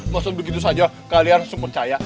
maksud begitu saja kalian harus percaya